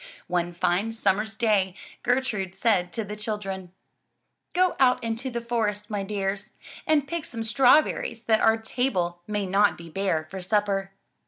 One fine sum mer's day Gertrude said to the children: "Go out into the forest, my dears, and pick some straw berries that our table may not be bare for supper."